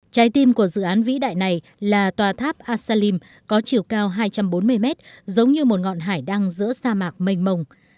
trái tim của dự án vĩ đại này là tòa tháp asalim có chiều cao hai trăm bốn mươi mét giống như một ngọn hải đăng giữa sa mạc mênh mông